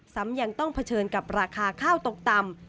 ซ้ำยังต้องเผชิญกับราคาข้าวตกต่ำ